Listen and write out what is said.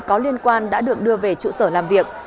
có liên quan đã được đưa về trụ sở làm việc